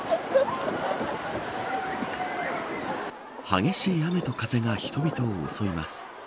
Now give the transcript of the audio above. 激しい雨と風が人々を襲います。